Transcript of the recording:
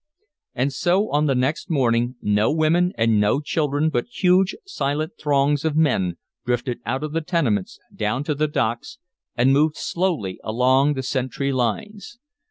And so on the next morning, no women and no children but huge, silent throngs of men drifted out of the tenements down to the docks and moved slowly along the sentry lines.